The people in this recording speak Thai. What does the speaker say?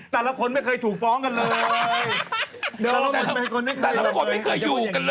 แต่ละคนไม่เคยถูกฟ้องกันเลย